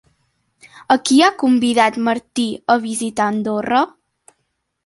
A qui ha convidat Martí a visitar Andorra?